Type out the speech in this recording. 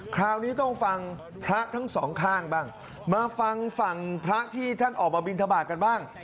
คราวนี้ต้องฟังพระทั้งสองข้างบ้างมาฟังฝั่งพระที่ท่านออกมาบินทบาทกันบ้าง